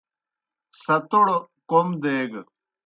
ستوڑ کوْم دیگہ۔